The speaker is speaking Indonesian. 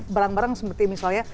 barang barang seperti misalnya